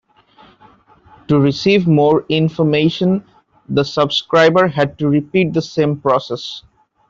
To receive more information the subscriber had to repeat the same process.